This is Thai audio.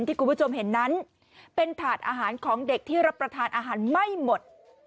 ที่คุณผู้ชมเห็นนั้นเป็นถาดอาหารของเด็กที่รับประทานอาหารไม่หมด